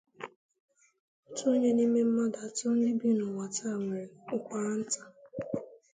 Otu onye n'ime mmadụ atọ ndị bi n'ụwa taa nwere ụkwaranta.